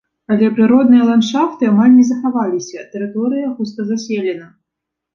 Але прыродныя ландшафты амаль не захаваліся, тэрыторыя густа заселена.